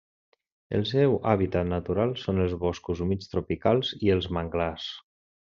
El seu hàbitat natural són els boscos humits tropicals i els manglars.